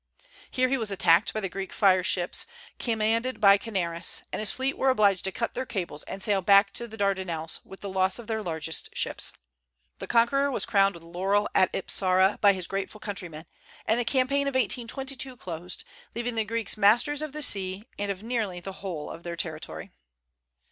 Here he was attacked by the Greek fire ships, commanded by Canaris, and his fleet were obliged to cut their cables and sail back to the Dardanelles, with the loss of their largest ships. The conqueror was crowned with laurel at Ipsara by his grateful countrymen, and the campaign of 1822 closed, leaving the Greeks masters of the sea and of nearly the whole of their territory.